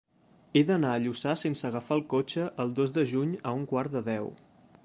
He d'anar a Lluçà sense agafar el cotxe el dos de juny a un quart de deu.